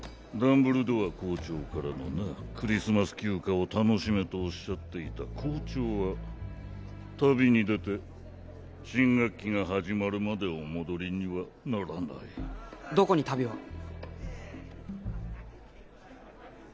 ダンブルドア校長からのなクリスマス休暇を楽しめとおっしゃっていた校長は旅に出て新学期が始まるまでお戻りにはならないどこに旅を？